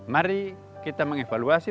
mari kita mengevaluasi